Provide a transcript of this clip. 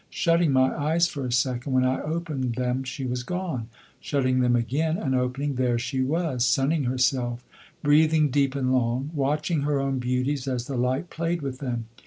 Shutting my eyes for a second, when I opened them she was gone. Shutting them again and opening, there she was, sunning herself, breathing deep and long, watching her own beauties as the light played with them.